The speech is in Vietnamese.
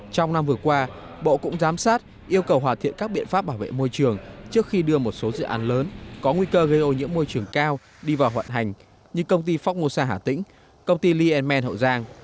trong năm vừa qua bộ cũng giám sát yêu cầu hoàn thiện các biện pháp bảo vệ môi trường trước khi đưa một số dự án lớn có nguy cơ gây ô nhiễm môi trường cao đi vào vận hành như công ty pháp mô sa hà tĩnh công ty lienman hậu giang